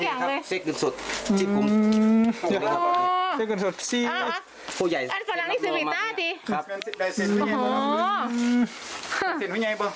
อีกกระสานมาอยู่ที่ไหนครับ